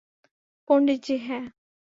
পন্ডিত জী, - হ্যাঁ।